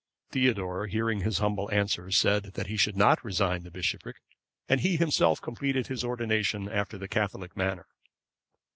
Theodore, hearing his humble answer, said that he should not resign the bishopric, and he himself completed his ordination after the Catholic manner.